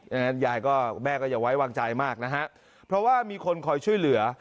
ยังไงยายก็แม่ก็อย่าไว้วางใจมากนะฮะเพราะว่ามีคนคอยช่วยเหลือ